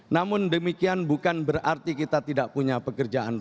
namun demikian bukan berarti kita tidak punya pekerjaan